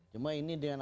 cuma ini dengan